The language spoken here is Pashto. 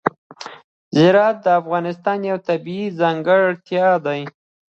زراعت د افغانستان یوه طبیعي ځانګړتیا ده.